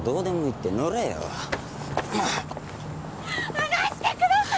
放してください！